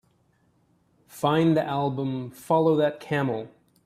Find the album Follow That Camel